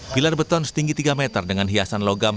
pilar beton setinggi tiga meter dengan hiasan logam